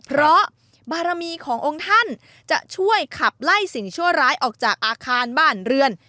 เพราะบารมีขององค์ท่านจะช่วยขับไล่สิ่งชั่วร้ายออกจากอาคารบ้านเรือน